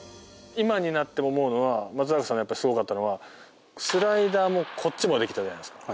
松坂さんがすごかったのはスライダーもこっちもできたじゃないですか。